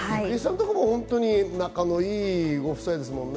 ところも本当に仲の良いご夫妻ですもんね。